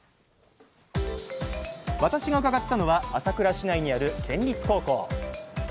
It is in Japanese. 私が伺ったのは朝倉市内にある県立高校。